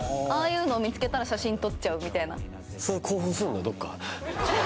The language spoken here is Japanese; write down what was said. いうのを見つけたら写真撮っちゃうみたいなどっか